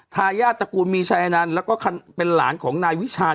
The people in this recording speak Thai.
ทายาทตระกูลมีชายอนันต์แล้วก็เป็นหลานของนายวิชาณ